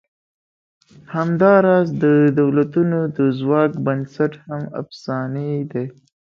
همدا راز د دولتونو د ځواک بنسټ هم افسانې دي.